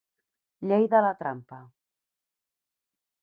Llei de la trampa.